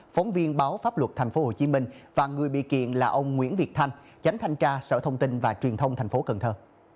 phóng viên báo pháp luật thành phố hồ chí minh và người bị kiện là ông nguyễn việt thanh giánh thanh tra sở thông tin và truyền thông thành phố cần thơ